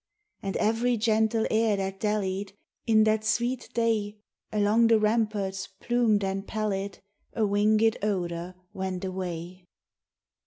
1G5 And every gentle air that dallied, In that sweet day, Along the ramparts plumed and pallid, A winged odor went away.